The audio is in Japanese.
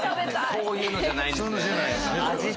そういうのじゃないんですね。